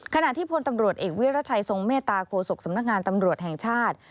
ขณะที่พลตำรวจเอกวิรัชัยทรงเมตตาโฆษกสำนักงานตำรวจแห่งชาติ